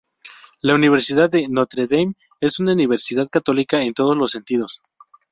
La Universidad de Notre Dame es una universidad católica en todos los sentidos.